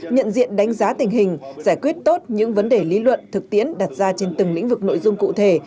nhận diện đánh giá tình hình giải quyết tốt những vấn đề lý luận thực tiễn đặt ra trên từng lĩnh vực nội dung cụ thể